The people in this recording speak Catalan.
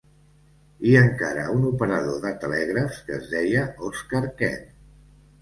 I encara un operador de telègrafs que es deia Oscar Kent.